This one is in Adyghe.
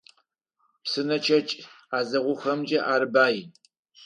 Псынэкӏэчъ ӏэзэгъухэмкӏи ар бай.